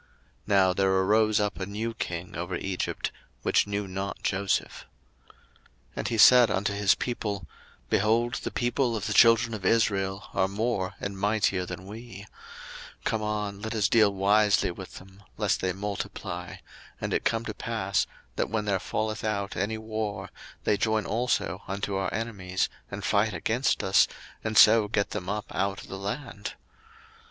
02:001:008 Now there arose up a new king over Egypt, which knew not Joseph. 02:001:009 And he said unto his people, Behold, the people of the children of Israel are more and mightier than we: 02:001:010 Come on, let us deal wisely with them; lest they multiply, and it come to pass, that, when there falleth out any war, they join also unto our enemies, and fight against us, and so get them up out of the land.